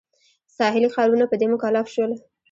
ساحلي ښارونه په دې مکلف شول.